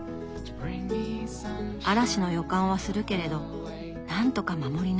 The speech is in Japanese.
嵐の予感はするけれどなんとか守り抜く。